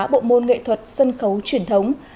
bộ môn nghệ thuật sân khấu truyền thống